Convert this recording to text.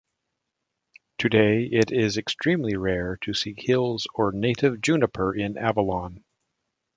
Today it is extremely rare to see hills or native juniper in Avalon.